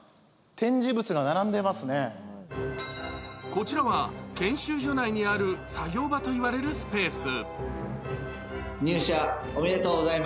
こちらは研修所内にある作業場といわれるスペース。